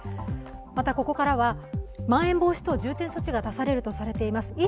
また、ここからはまん延防止等重点措置が出されるとされています